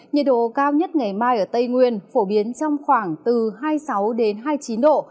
nhiệt độ cao nhất ngày mai ở tây nguyên phổ biến trong khoảng từ hai mươi sáu đến hai mươi chín độ